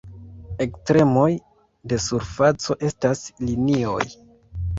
La ekstremoj de surfaco estas linioj.